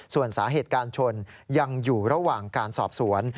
ส่วนสาเหตุการชนยังอยู่ระหว่างการสอบสวน